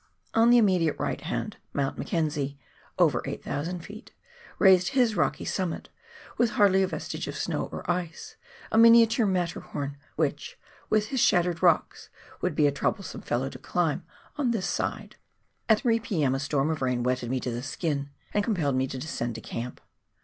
On the immediate right hand Mount 228 PIONEER WORK IN THE ALPS OF NEW ZEALAND, McKenzie (over 8,000 ft.) raised his rocky summit, witli hardly a vestige of snow or ice, a miniature Matterhorn, which, with his shattered rocks, would be a troublesome fellow to climb on this side. At 3 P.M. a storm of rain wetted me to the skin, and com pelled me to descend to camp.